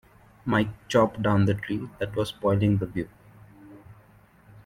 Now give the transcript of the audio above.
Mike chopped down the tree that was spoiling the view